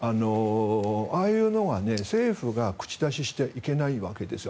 ああいうのは、政府が口出ししてはいけないわけです。